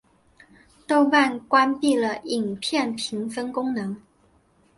豆瓣关闭了影片的评分功能。